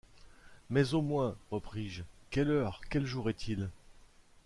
Mais au moins, repris-je, quelle heure, quel jour est-il ?